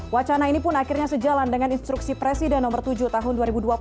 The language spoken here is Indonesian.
wacana ini pun akhirnya sejalan dengan instruksi presiden nomor tujuh tahun dua ribu dua puluh